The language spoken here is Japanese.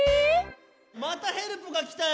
またヘルプがきたよ。